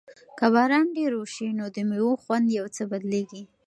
که باران ډېر وشي نو د مېوو خوند یو څه بدلیږي.